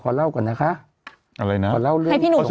ขอเล่าเรื่องน้ำมันก่อนได้ไหมครับคุณหนุ่มค่ะ